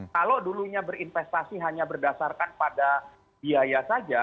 kalau dulunya berinvestasi hanya berdasarkan pada biaya saja